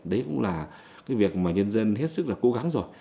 đấy cũng là cái việc mà nhân dân hết sức là cố gắng rồi